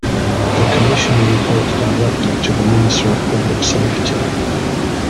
The Commissioner reports directly to the Minister of Public Safety.